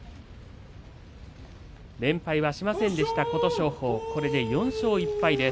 連敗はしませんでした、琴勝峰これで４勝１敗です。